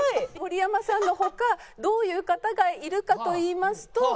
盛山さんの他どういう方がいるかといいますと。